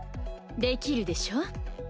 できるでしょ？